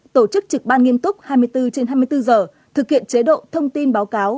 tổ chức trực ban nghiêm túc hai mươi bốn trên hai mươi bốn giờ thực hiện chế độ thông tin báo cáo